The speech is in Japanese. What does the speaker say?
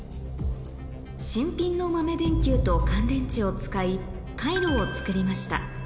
新品の豆電球と乾電池を使い回路を作りました